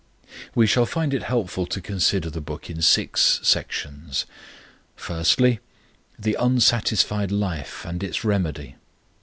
We shall find it helpful to consider the book in six sections: . I. THE UNSATISFIED LIFE AND ITS REMEDY.